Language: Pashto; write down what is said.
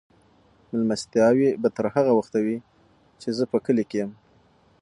مېلمستیاوې به تر هغه وخته وي چې زه په کلي کې یم.